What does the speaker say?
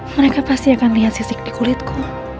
mereka pasti akan lihat sisik di kulitku